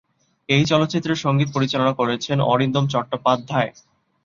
এই চলচ্চিত্রের সংগীত পরিচালনা করেছেন অরিন্দম চট্টোপাধ্যায়।